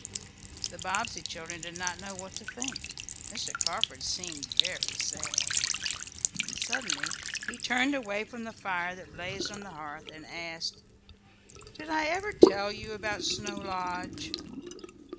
The Bobbsey children did not know what to think. Mr. Carford seemed very sad. Suddenly he turned away from the fire that blazed on the hearth, and asked: "Did I ever tell you about Snow Lodge?"